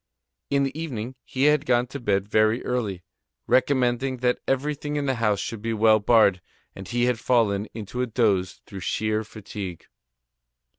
In the evening, he had gone to bed very early, recommending that everything in the house should be well barred, and he had fallen into a doze through sheer fatigue.